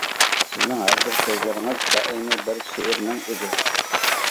سىزنىڭ ھەر بىر سۆزلىرىڭىز بەئەينى بىر شېئىرنىڭ ئۆزى.